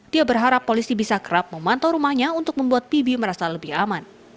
dia berharap polisi bisa kerap memantau rumahnya untuk membuat pibi merasa lebih aman